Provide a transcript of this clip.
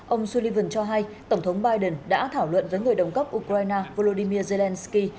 ông sullivan cho hay tổng thống biden đã thảo luận với người đồng cấp ukraine volodymyr zelensky